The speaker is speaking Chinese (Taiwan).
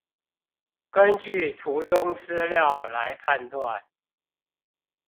根據圖中資料來判斷